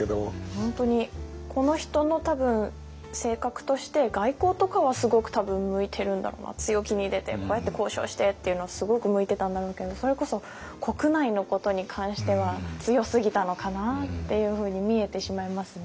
本当にこの人の多分性格として外交とかはすごく多分向いてるんだろうな強気に出てこうやって交渉してっていうのすごく向いてたんだろうけどそれこそ国内のことに関しては強すぎたのかなっていうふうに見えてしまいますね。